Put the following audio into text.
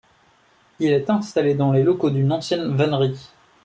Il est installé dans les locaux d'une ancienne vannerie.